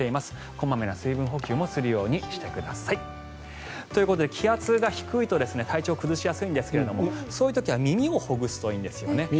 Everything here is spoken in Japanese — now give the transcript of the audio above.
小まめな水分補給もするようにしてください。ということで気圧が低いと体調を崩しやすいんですがそういう時は耳をほぐすといいんですよね。